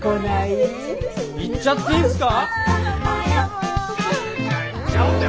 行っちゃっていいんすか！？